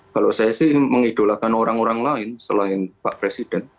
kalau saya sih mengidolakan orang orang lain selain pak presiden